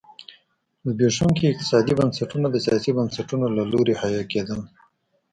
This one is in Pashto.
زبېښونکي اقتصادي بنسټونه د سیاسي بنسټونو له لوري حیه کېدل.